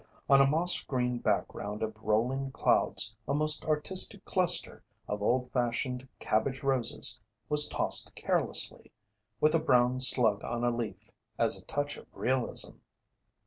On a moss green background of rolling clouds a most artistic cluster of old fashioned cabbage roses was tossed carelessly, with a brown slug on a leaf as a touch of realism.